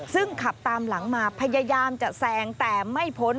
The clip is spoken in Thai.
ซึ่งขับตามหลังมาพยายามจะแซงแต่ไม่พ้น